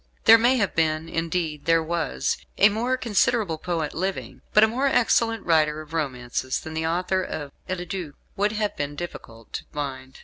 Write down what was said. There may have been indeed, there was a more considerable poet living; but a more excellent writer of romances, than the author of "Eliduc," it would have been difficult to find.